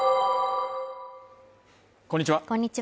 こんにちは